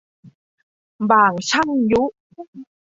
บ่างช่างยุ